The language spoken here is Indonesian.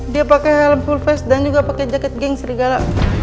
dia pake helm full face dan juga pake jaket geng serigala